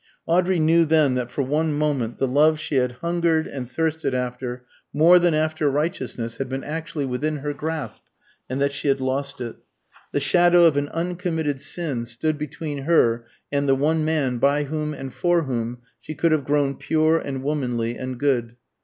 Audrey knew then that for one moment the love she had hungered and thirsted after, more than after righteousness, had been actually within her grasp, and that she had lost it. The shadow of an uncommitted sin stood between her and the one man by whom and for whom she could have grown pure and womanly and good.